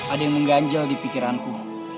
ada yang mengganjal di pikiranku